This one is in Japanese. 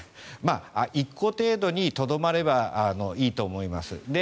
１個程度にとどまればいいと思います。